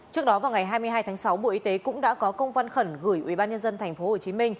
trước đó vào ngày hai mươi hai tháng sáu bộ y tế cũng đã có công văn khẩn gửi ubnd tp hcm